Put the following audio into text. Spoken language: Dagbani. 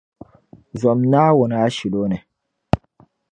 Zom Naawuni ashilo ni.